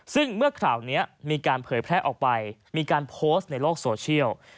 ซึ่งเมื่อข่าวนี้มีการเผยแพร่ออกไปมีการโพสต์ในโลกโซเชียล